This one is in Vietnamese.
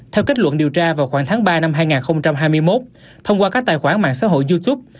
theo kết luận điều tra vào khoảng tháng ba năm hai nghìn hai mươi một thông qua các tài khoản mạng xã hội youtube